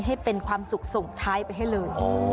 ให้เป็นความสุขส่งท้ายไปให้เลย